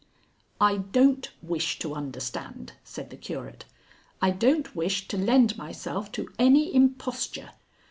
"I don't wish to understand," said the Curate. "I don't wish to lend myself to any imposture.